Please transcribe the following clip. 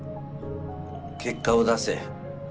結果を出せ。